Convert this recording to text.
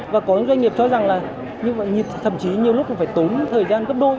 và có những doanh nghiệp cho rằng là thậm chí nhiều lúc cũng phải tốn thời gian gấp đôi